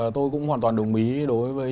tôi cũng hoàn toàn đồng ý đối với